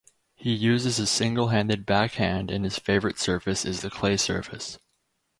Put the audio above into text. He uses a single-handed backhand and his favorite surface is the clay surface.